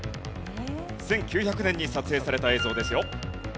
１９００年に撮影された映像ですよ。